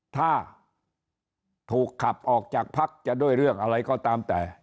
ถ้าถูกขับออกจากพักจะด้วยเรื่องอะไรก็ตามแต่